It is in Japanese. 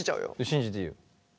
信じていいよ。